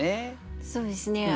そうですね。